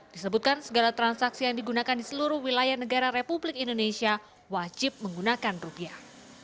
disebutkan segala transaksi yang digunakan di seluruh wilayah negara republik indonesia wajib menggunakan rupiah